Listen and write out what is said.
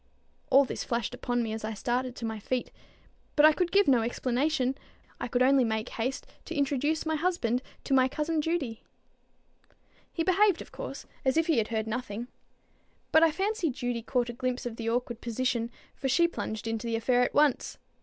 All this flashed upon me as I started to my feet: but I could give no explanation; I could only make haste to introduce my husband to my cousin Judy. He behaved, of course, as if he had heard nothing. But I fancy Judy caught a glimpse of the awkward position, for she plunged into the affair at once.